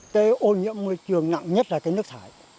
cái ô nhiễm môi trường nặng nhất là cái nước thải